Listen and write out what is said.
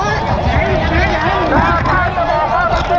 สวัสดีครับทุกคน